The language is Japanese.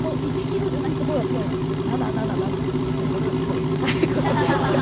１ｋｇじゃないところがすごいんです。